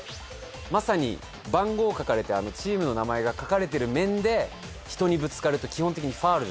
まさに番号書かれてあるチームの名前が書かれてる面で人にぶつかると基本的にファウルじゃないんですよ。